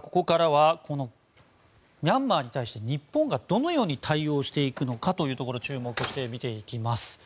ここからはミャンマーに対して日本がどのように対応していくのかというところに注目して見ていきます。